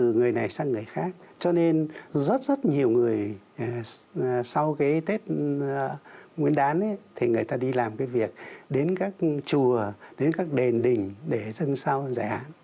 từ người này sang người khác cho nên rất rất nhiều người sau cái tết nguyễn đán ấy thì người ta đi làm cái việc đến các chùa đến các đền đỉnh để dân sao giải hạn